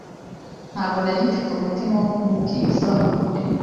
Ntabwo nari mfite umutima wo kumubwiza ukuri.